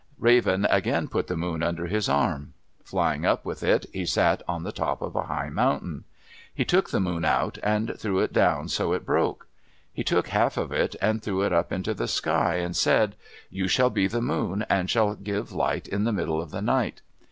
Raven again put the moon under his arm. Flying up with it, he sat on the top of a high mountain. He took the moon out, and threw it down so it broke. He took half of it and threw it up into the sky, and said, "You shall be the moon and shall give light in the middle of the night."